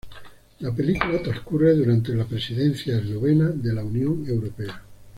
La película transcurre durante la presidencia eslovena de la Unión Europea.